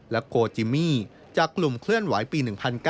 โกจิมี่จากกลุ่มเคลื่อนไหวปี๑๙